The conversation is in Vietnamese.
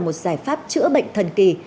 một giải pháp chữa bệnh thần kỳ